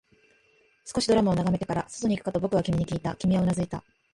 少しドラマを眺めてから、外に行くかと僕は君にきいた、君はうなずいた